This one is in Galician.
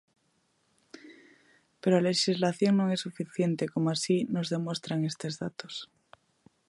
Pero a lexislación non é suficiente como así nos demostran estes datos.